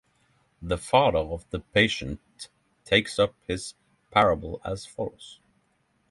The father of the patient takes up his parable as follows.